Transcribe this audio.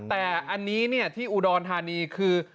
แต่อันนี้ที่อุดรธานีคือ